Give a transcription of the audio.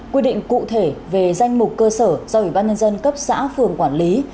quy định cụ thể về danh mục cơ sở do ủy ban nhân dân cấp xã phường quản lý